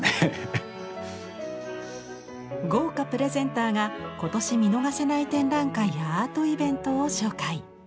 豪華プレゼンターが今年見逃せない展覧会やアートイベントを紹介。